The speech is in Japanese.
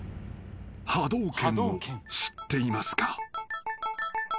［波動拳を知っていますか？］